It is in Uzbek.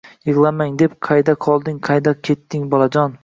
Yiglamang deb”qayda qolding-qayga ketding bolajon”